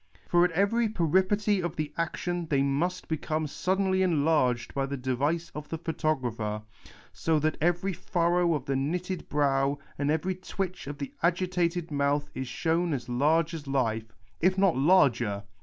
F'or at every peripety of the action they must become suddenly enlarged by the device of the photographer, so that every furrow of the knitted brow and every twitch of the agitated mouth is shown as large as life, if not larger.